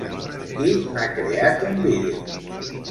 Qui n'ha creat un vídeo?